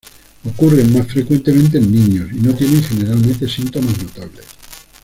Ocurren más frecuentemente en niños, y no tienen generalmente síntomas notables.